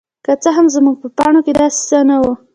که څه هم زما په پاڼو کې داسې څه نه وو.